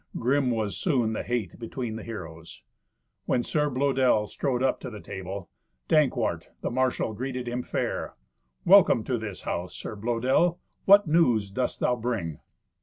Grim was soon the hate between the heroes. When Sir Blœdel strode up to the table, Dankwart the marshal greeted him fair. "Welcome to this house, Sir Blœdel. What news dost thou bring?"